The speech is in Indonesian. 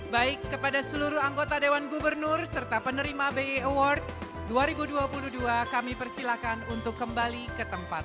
baik kepada seluruh anggota dewan gubernur serta penerima bi award dua ribu dua puluh dua kami persilakan untuk kembali ke tempat